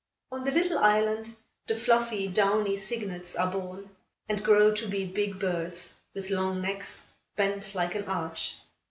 On the little island, the fluffy, downy cygnets are born and grow to be big birds, with long necks, bent like an arch.